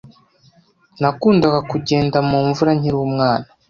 Nakundaga kugenda mu mvura nkiri umwana.